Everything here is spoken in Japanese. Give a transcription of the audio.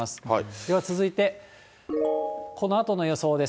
では続いて、このあとの予想です。